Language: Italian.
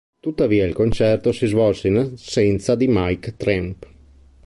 Tuttavia il concerto si svolse in assenza di Mike Tramp.